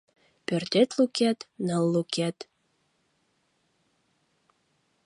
Пӧртет лукет — ныл лукет